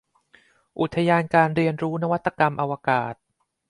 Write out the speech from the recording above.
อุทยานการเรียนรู้นวัตกรรมอวกาศ